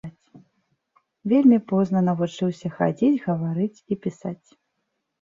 Вельмі позна навучыўся хадзіць, гаварыць і пісаць.